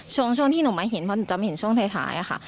ช่วงที่หนูมาเห็นเพราะหนูจะไม่เห็นช่วงท้ายค่ะ